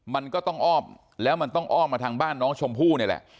มันก็ต้องอ้อมแล้วมันต้องอ้อมมาทางบ้านน้องชมพู่นี่แหละ